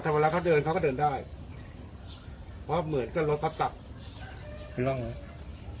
แต่เวลาเขาเดินเขาก็เดินได้เพราะเหมือนกับรถพักตัดเป็นร่องอะไร